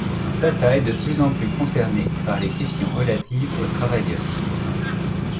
Sata est de plus en plus concernée par les questions relatives aux travailleurs.